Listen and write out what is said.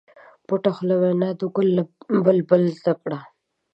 پټه خوله وینا د ګل له بلبل زده کړه.